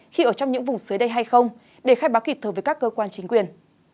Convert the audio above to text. khi ở trong những vùng xứ đây hay không để khai báo kỳ thờ với các cơ quan chính quyền